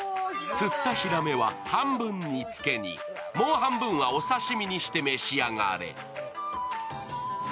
釣ったひらめは半分煮付けに、もう半分はお刺身にして召し上がれ。